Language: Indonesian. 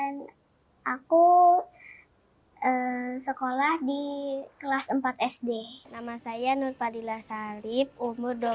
tapi ambil air dulu sama mama saya kalau ambil air di sumur